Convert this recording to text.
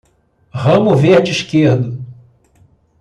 Ramo verde esquerdo